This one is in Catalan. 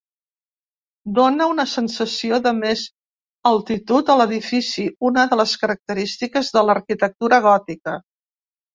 Dóna una sensació de més altitud a l'edifici, una de les característiques de l'arquitectura gòtica.